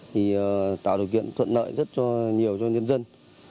thì tạo điều kiện thuận lợi rất cho nhiều cho nhân dân